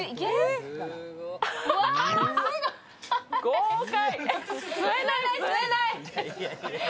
豪快。